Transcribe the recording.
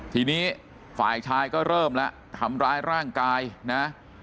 ทีนี้ฝ่ายชายก็เริ่มแล้วทำร้ายร่างกายนะ